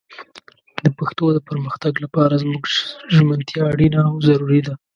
د پښتو د پرمختګ لپاره زموږ ژمنتيا اړينه او ضروري ده